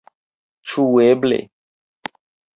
Ĉu eble!